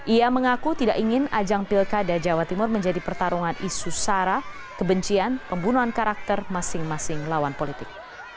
ia mengaku tidak ingin ajang pilkada jawa timur menjadi pertarungan isu sara kebencian pembunuhan karakter masing masing lawan politik